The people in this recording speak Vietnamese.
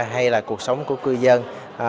hay là cuộc sống của cư dân